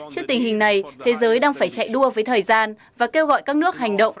trước tình hình này thế giới đang phải chạy đua với thời gian và kêu gọi các nước hành động